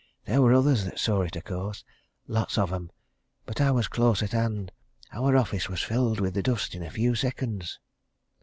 "There were others that saw it, of course: lots of 'em. But I was close at hand our office was filled with the dust in a few seconds."